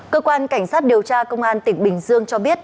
cơ quan cảnh sát điều tra công an tỉnh bình dương cho biết